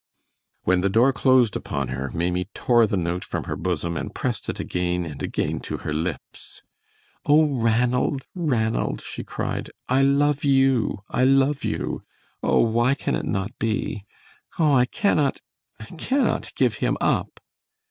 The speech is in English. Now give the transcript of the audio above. When the door closed upon her Maimie tore the note from her bosom and pressed it again and again to her lips: "Oh, Ranald, Ranald," she cried, "I love you! I love you! Oh, why can it not be? Oh, I cannot I cannot give him up!"